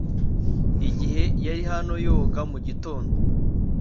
Igihe yari hano yoga mu gitondo